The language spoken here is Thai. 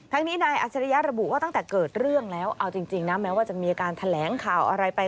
นี้นายอัจฉริยะระบุว่าตั้งแต่เกิดเรื่องแล้วเอาจริงนะแม้ว่าจะมีการแถลงข่าวอะไรไป